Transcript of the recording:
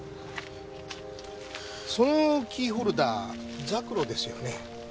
そのキーホルダー柘榴ですよね？